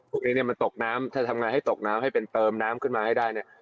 พวกนี้เนี่ยมันตกน้ำถ้าทำงานให้ตกน้ำให้เป็นเติมน้ำขึ้นมาให้ได้เนี่ย